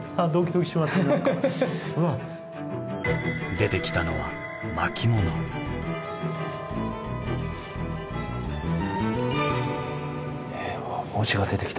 出てきたのは文字が出てきた。